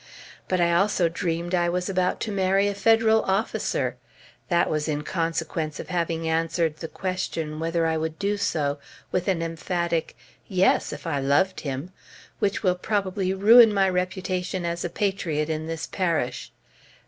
But I also dreamed I was about to marry a Federal officer! That was in consequence of having answered the question, whether I would do so, with an emphatic "Yes! if I loved him," which will probably ruin my reputation as a patriot in this parish.